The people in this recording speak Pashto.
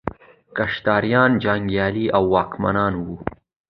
کشتریان جنګیالي او واکمنان وو.